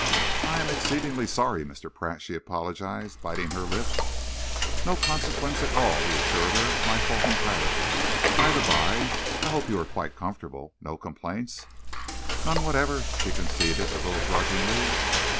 "I am exceedingly sorry, Mr. Pratt," she apologised, biting her lip. "No consequence at all," he assured her. "My fault entirely. By the bye, I hope you are quite comfortable. No complaints?" "None whatever," she conceded a little grudgingly.